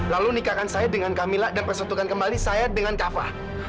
lalu nikahkan saya dengan kamila dan persatukan kembali saya dengan kafa